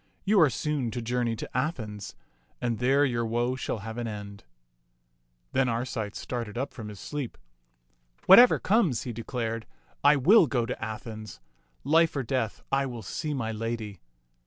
You are soon to journey to Athens, and there your woe shall have an end." Then Arcite started up from his sleep. Whatever comes," he declared, "I will go to Athens. Life or death, I will see my lady."